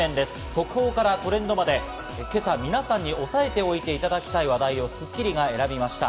速報からトレンドまで、今朝、皆さんに押さえておいていただきたい話題を『スッキリ』が選びました。